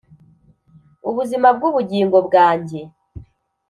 ubuzima bw'ubugingo bwanjye